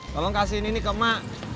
tolong kasihin ini ke ma